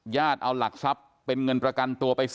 ญาติเอาหลักทรัพย์เป็นเงินประกันตัวไป๔๐๐๐๐๐บาท